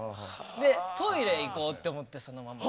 トイレ行こうって思ってそのまま。